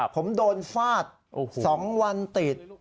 ผมโดนฟาด๒วันติด